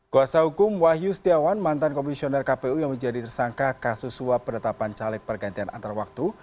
kuasa hukum wahyu setiawan mantan komisioner kpu yang menjadi tersangka kasus suap penetapan caleg pergantian antar waktu